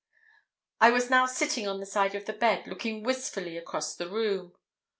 I was now sitting on the side of the bed, looking wistfully across the room.